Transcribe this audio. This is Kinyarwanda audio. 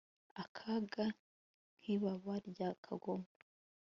Akaga nkibaba rya kagoma